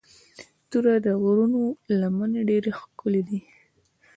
د تورو غرونو لمنې ډېرې ښکلي دي.